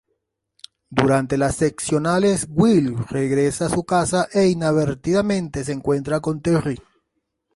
Durante las Seccionales, Will regresa a su casa e inadvertidamente se encuentra con Terri.